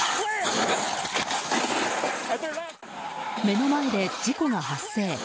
目の前で事故が発生。